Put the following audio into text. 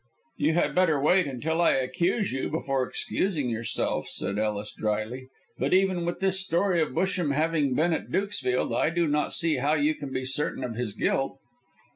"You had better wait until I accuse you before excusing yourself," said Ellis, drily. "But even with this story of Busham having been at Dukesfield, I do not see how you can be certain of his guilt."